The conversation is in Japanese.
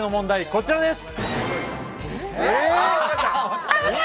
こちらです。